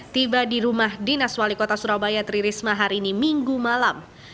tiba di rumah dinas wali kota surabaya tri risma hari ini minggu malam